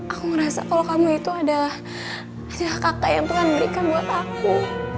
aku ngerasa kalau kamu itu adalah kakak yang tuhan berikan buat aku